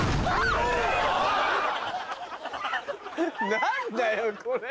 何だよこれ。